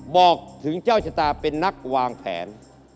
บอกถึงเจ้าชะตาเป็นนักวางแผน